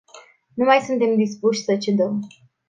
Nu mai suntem dispuși să cedăm.